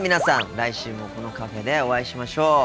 来週もこのカフェでお会いしましょう！